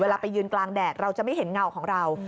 ไปยืนกลางแดดเราจะไม่เห็นเงาของเรา